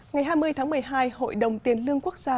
ngày hai mươi tháng một mươi hai hội đồng tiền lương quốc gia